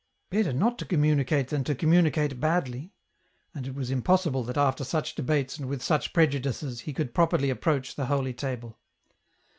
" Better not to communicate than to communicate badly ;" and it was impossible that after such debates and with such prejudices he could properly approach the Holy Table.